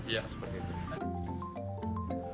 ya seperti itu